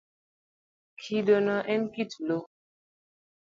Kidino en kit loo